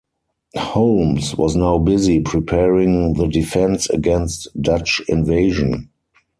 Holmes was now busy preparing the defence against Dutch invasion.